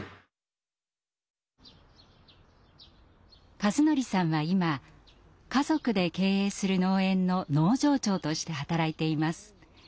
一法さんは今家族で経営する農園の農場長として働いています。